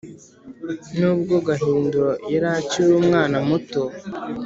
nubwo gahindiro yari akiri umwana muto